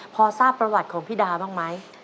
พอทราบประวัติของพี่ดาบ้างไหม